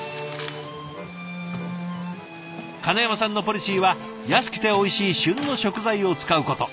金山さんのポリシーは安くておいしい旬の食材を使うこと。